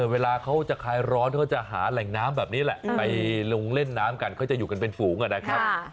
เวลาเขาจะคลายร้อนเขาจะหาแหล่งน้ำแบบนี้แหละไปลงเล่นน้ำกันเขาจะอยู่กันเป็นฝูงนะครับ